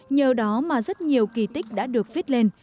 nhờ đó mà rất nhiều kỳ tích đã được viết lên